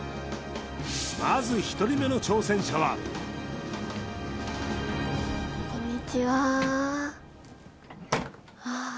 まず１人目の挑戦者はこんにちははあ